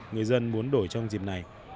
người dân muốn đổi trong dịp này